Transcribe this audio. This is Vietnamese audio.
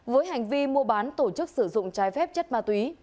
với hành vi mua bán tổ chức sử dụng trái phép chất ma túy